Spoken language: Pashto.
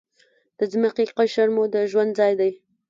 د ځمکې قشر مو د ژوند ځای دی.